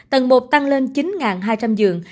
tầng một tăng lên chín hai trăm linh dường